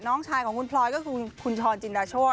น้องชายของคุณพลอยก็คือคุณชรจินดาโชธ